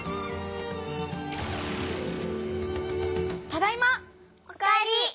ただいま！お帰り！